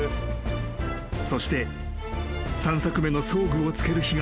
［そして３作目の装具をつける日がやってきた］